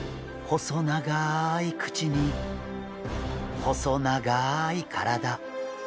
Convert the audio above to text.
細長い口に細長い体。